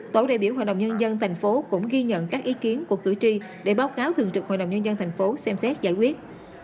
tổ đại biểu hội đồng nhân dân tp hcm cũng ghi nhận các ý kiến của cử tri để báo cáo thường trực hội đồng nhân dân thành phố xem xét giải quyết